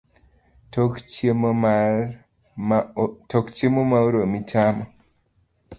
Tok chiemo ma oromi chamo